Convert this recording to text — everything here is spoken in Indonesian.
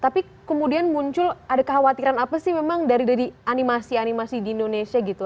tapi kemudian muncul ada kekhawatiran apa sih memang dari animasi animasi di indonesia gitu